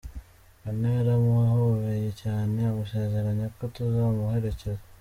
Anna yaramuhobeye cyane amusezeranya ko tuzamuherekeza.